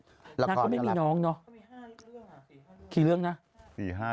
นางก็ไม่มีน้องเนอะ